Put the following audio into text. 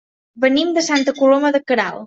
Venim de Santa Coloma de Queralt.